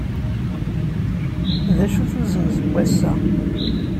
D acu-t uzemz n wass-a?